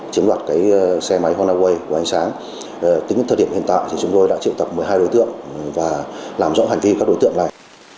tính đến thời điểm hiện tại chúng tôi đã triệu tập một mươi hai đối tượng và làm rõ hành vi các đối tượng này